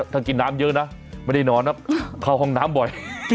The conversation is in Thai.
ถ้ากินน้ำเยอะนะไม่ได้นอนนะเข้าห้องน้ำบ่อย